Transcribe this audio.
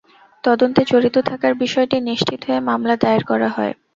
তদন্তে তাঁদের জড়িত থাকার বিষয়টি নিশ্চিত হয়ে মামলা দায়ের করা হয়।